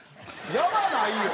やばないよ。